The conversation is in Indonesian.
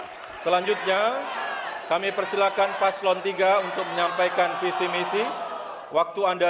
hai selanjutnya kami persilahkan paslon tiga untuk menyampaikan visi visi waktu anda